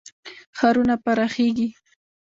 ښارونه پراخیږي.